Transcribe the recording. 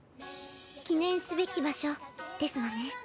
記念すべき場所ですわね。